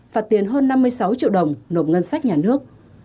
phạt tiền hơn năm mươi sáu triệu đồng nộp ngân sách nhà nước